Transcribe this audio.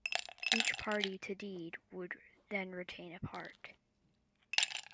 Each party to the deed would then retain a part.